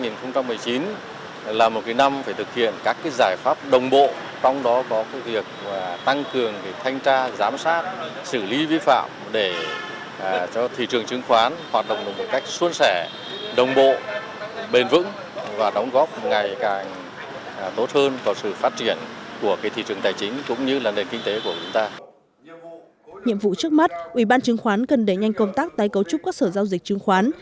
nhiệm vụ trước mắt ủy ban chứng khoán cần đẩy nhanh công tác tái cấu trúc các sở giao dịch chứng khoán